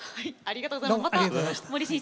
ありがとうございます。